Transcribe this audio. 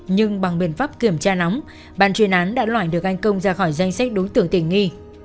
nhưng bằng biện pháp kiểm tra nóng bàn chuyên án đã loại được anh công ra khỏi danh sách đối tượng tình nghi